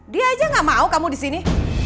dia aja gak mau kamu di sini